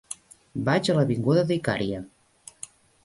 Vaig a l'avinguda d'Icària.